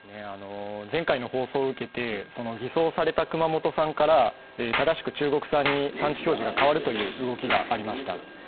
前回の放送を受けて偽装された熊本産から正しく中国産に産地表示が変わるという動きがありました。